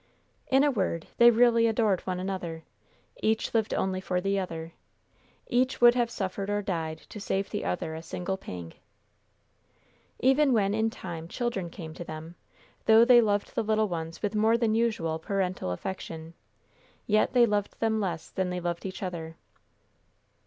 In a word, they really adored one another. Each lived only for the other. Each would have suffered or died to save the other a single pang. Even when, in time, children came to them, though they loved the little ones with more than usual parental affection, yet they loved them less than they loved each other.